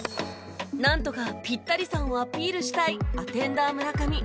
なんとかピッタリさんをアピールしたいアテンダー村上